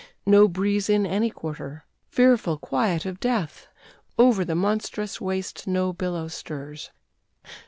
No breeze in any quarter! Fearful quiet of death! Over the monstrous waste no billow stirs."